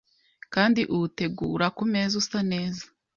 kandi uwutegura ku meza usa neza